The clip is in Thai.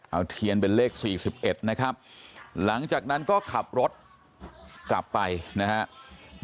เอาเทียนเป็นเลข๔๑นะครับหลังจากนั้นก็ขับรถกลับไปนะครับ